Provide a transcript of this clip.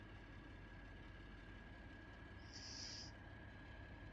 ভারতবর্ষের সেবা সুন্দর হবে না, তুমি যদি তাঁর কাছ থেকে দূরে থাক।